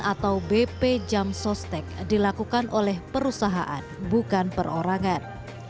atau bp jam sostek dilakukan oleh perusahaan bukan perorangan